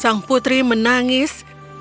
sang putri menangis